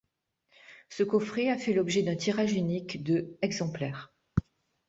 Ce coffret a fait l'objet d'un tirage unique de exemplaires.